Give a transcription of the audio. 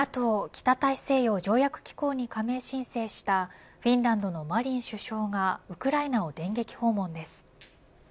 ＮＡＴＯ北大西洋条約機構に加盟申請したフィンランドのマリン首相がウクライナを電撃訪問です。